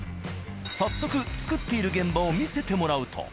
早速作っている現場を見せてもらうと。